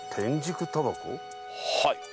はい。